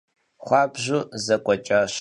Xuabju zek'ueç'aş.